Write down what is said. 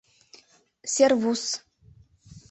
Сервус.